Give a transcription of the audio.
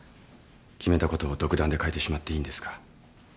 決めたことを独断で変えてしまっていいんですか？